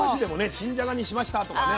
新じゃがにしましたとかねあるもんね。